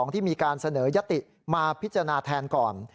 ที่มีการเสนอยติมาพิจารณาแทนก่อน